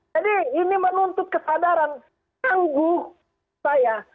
jadi ini menuntut kesadaran tangguh saya